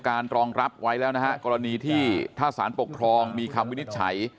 การรองรับไว้แล้วนะเวลากรณีที่ท่าศาลปกครองมีความวินิทธิ์ใช้